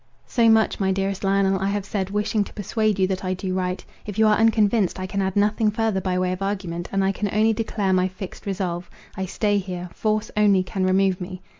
"So much, my dearest Lionel, I have said, wishing to persuade you that I do right. If you are unconvinced, I can add nothing further by way of argument, and I can only declare my fixed resolve. I stay here; force only can remove me.